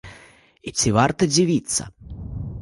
І ці варта дзівіцца?